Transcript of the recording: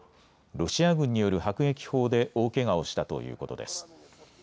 ロシア軍による迫撃砲で大けがをしたということです。